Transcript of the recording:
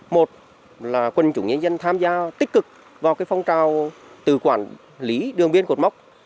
một là quân chủ nhân dân tham gia tích cực vào phong trào từ quản lý đường biên cột mốc